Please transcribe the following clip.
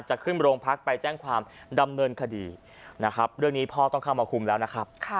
จะขึ้นโรงพักไปแจ้งความดำเนินคดีนะครับเรื่องนี้พ่อต้องเข้ามาคุมแล้วนะครับ